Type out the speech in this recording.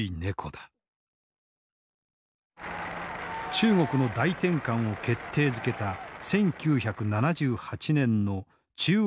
中国の大転換を決定づけた１９７８年の中央委員会全体会議。